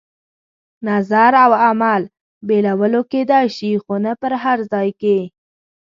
نظر او عمل بېلولو کېدای شي، خو نه په هر ځای کې.